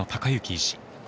医師。